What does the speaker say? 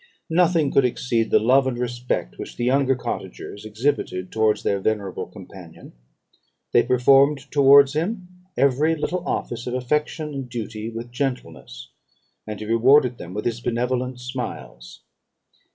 Nothing could exceed the love and respect which the younger cottagers exhibited towards their venerable companion. They performed towards him every little office of affection and duty with gentleness; and he rewarded them by his benevolent smiles.